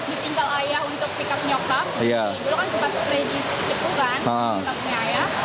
aku udah sempat ditinggal ayah untuk pickup nyokap